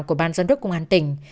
của ban giám đốc công an tỉnh